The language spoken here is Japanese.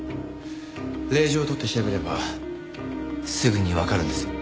令状を取って調べればすぐにわかるんですよ。